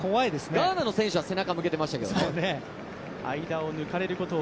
ガーナの選手は背中を向けていましたけどね。